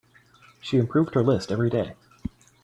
She improved her list every day.